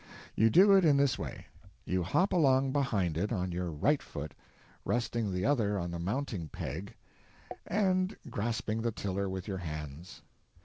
You do it in this way: you hop along behind it on your right foot, resting the other on the mounting peg, and grasping the tiller with your hands.